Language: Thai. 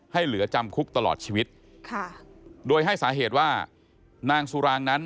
เหลือจำคุกตลอดชีวิตค่ะโดยให้สาเหตุว่านางสุรางนั้น